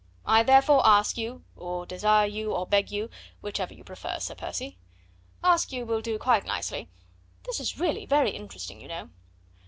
I therefore ask you' or 'desire you' or 'beg you' whichever you prefer, Sir Percy..." "'Ask you' will do quite nicely. This is really very interesting, you know."